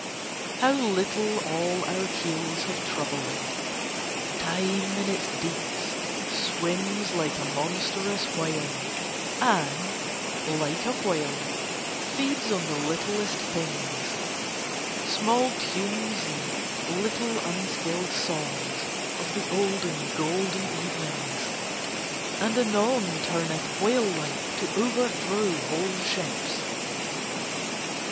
How little all our keels have troubled it. Time in its deeps swims like a monstrous whale; and, like a whale, feeds on the littlest things small tunes and little unskilled songs of the olden, golden evenings and anon turneth whale like to overthrow whole ships.